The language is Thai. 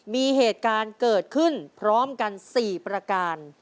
มีเหตุการณ์เกิดขึ้นพร้อมกัน๔ประการ